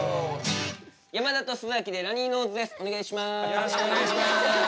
よろしくお願いします。